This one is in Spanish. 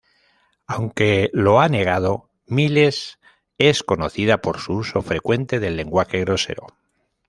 Aunque lo ha negado, Miles es conocida por su uso frecuente de lenguaje grosero.